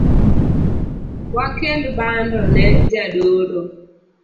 Wakel bando ne jadolo